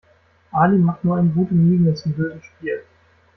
Ali macht nur eine gute Miene zum bösen Spiel.